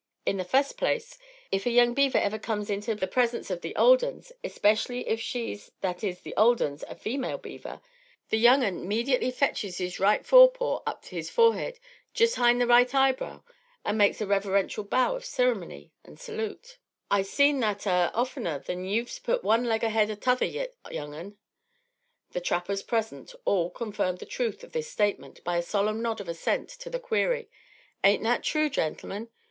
In the fust place, if a young beaver ever kums inter the presence of the ole uns, especially if she's, that is the ole uns, a female beaver, the young un 'mediately fetches his right fore paw up to his forehead, jest 'hind the right eyebrow, an' makes a reverintial bow of cerimony in salute. I'se seen that ar' oftener than you've put one leg ahead of t'other yit, young un." The trappers present all confirmed the truth of this statement by a solemn nod of assent to the query, "Ain't that true, gentlemen?"